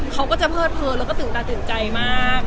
เขาก็จะเพิดเพลินแล้วก็ตื่นตาตื่นใจมาก